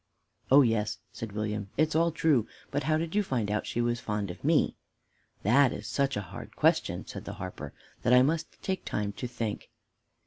"Oh, yes," said William, "it's all true; but how did you find out she was fond of me?" "That is such a hard question," said the harper, "that I must take time to think."